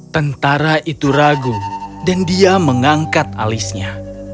tentara itu ragu dan dia mengangkat alisnya